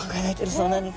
そうなんです。